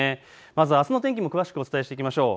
まずあすの天気も詳しくお伝えしていきましょう。